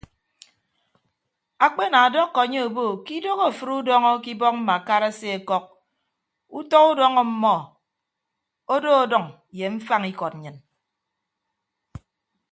Akpe ana ọdọkọ anye obo ke idoho afịd udọñọ ke ibọk mbakara aseọkọk utọ udọñọ ọmmọ odo ọdʌñ ye mfañ ikọd nnyịn.